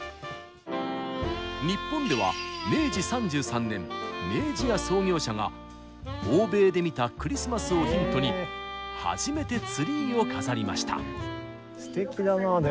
日本では明治３３年明治屋創業者が欧米で見たクリスマスをヒントに初めてツリーを飾りました。